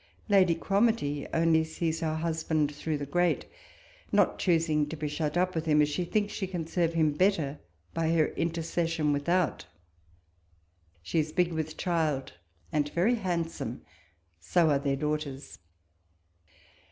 Lady Cromartie only sees her husband through the grate, not choosing to be shut up with him, as she thinks she can serve him better by her intei'cession without : she is big with child and very handsome : so are their daughters.